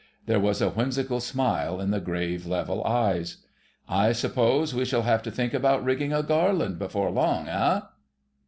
There was a whimsical smile in the grave, level eyes. "I suppose we shall have to think about rigging a garland[#] before long, eh?"